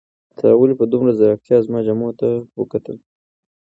تا ولې په دومره ځیرکتیا زما جامو ته وکتل؟